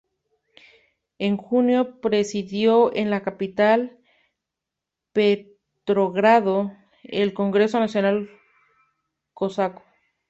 En junio presidió en la capital, Petrogrado, el Congreso Nacional Cosaco.